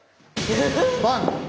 バン。